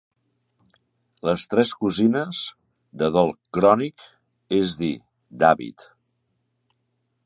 Les tres cosines, de dol crònic, es dir, d'hàbit